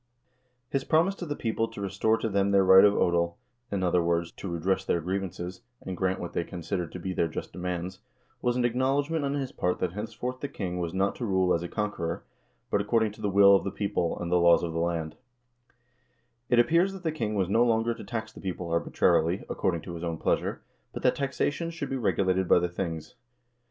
His promise to the people to restore to them their right of odel, in other words, to redress their grievances, and grant what they con sidered to be their just demands, was an acknowledgment on his part that henceforth the king was not to rule as a conqueror, but according to the will of the people and the laws of the land It appears that the king was no longer to tax the people arbitrarily, according to his own pleasure, but that taxation should be regulated by the things.